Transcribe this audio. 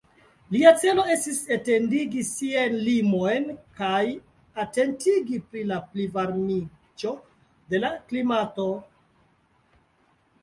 Lia celo estis etendi siajn limojn, kaj atentigi pri la plivarmiĝo de la klimato.